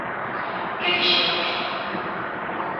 Que fixemos?